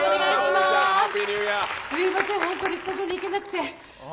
すみません、本当にスタジオに行けなくて。